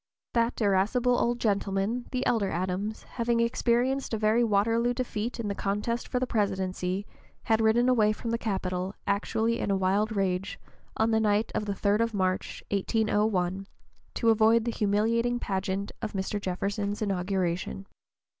That irascible old gentleman, the elder Adams, having experienced a (p. 026) very Waterloo defeat in the contest for the Presidency, had ridden away from the capital, actually in a wild rage, on the night of the 3d of March, 1801, to avoid the humiliating pageant of Mr. Jefferson's inauguration.